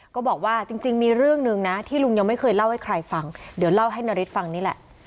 ก็บอกว่าจริงมีเรื่องหนึ่งนะที่ลุงยังไม่เคยเล่าให้ใครฟังเดี๋ยวเล่าให้นาริสฟังนี่แหละ